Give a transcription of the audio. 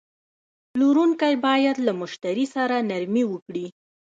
پلورونکی باید له مشتری سره نرمي وکړي.